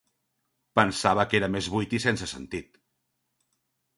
Pensava que era més buit i sense sentit.